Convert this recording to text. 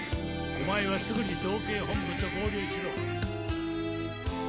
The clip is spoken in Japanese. お前はすぐに道警本部と合流しろ。